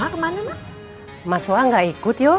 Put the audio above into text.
assalamualaikum warahmatullahi wabarakatuh